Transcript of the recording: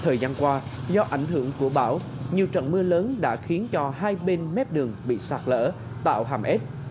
thời gian qua do ảnh hưởng của bão nhiều trận mưa lớn đã khiến cho hai bên mép đường bị sạt lỡ tạo hàm ết